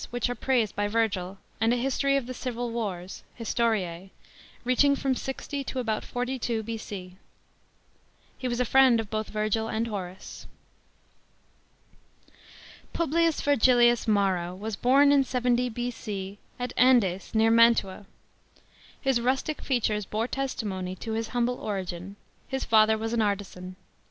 ich are p.aised by Virr'l;* and a history of the civil wars (FJistoriie) reaching fum 60 to about 42 B.c.f He was a friend of both Virgil and IIori.ce. S 2. PUBLICS VERGILLIUS t MARO was born in 70 B.C. at Andes, near Mantua. His rustic features bore tes imcny to his humble origin : his father was an 'artisan.